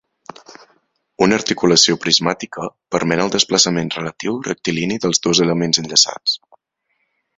Una articulació prismàtica permet el desplaçament relatiu rectilini dels dos elements enllaçats.